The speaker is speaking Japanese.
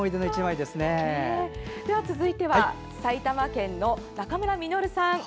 続いては埼玉県の中村稔さん。